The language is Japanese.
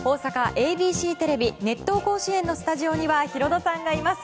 ＡＢＣテレビ「熱闘甲子園」のスタジオにはヒロドさんがいます。